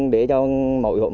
để cho mọi người biết